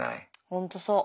ほんとそう。